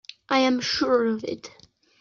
I am sure of it.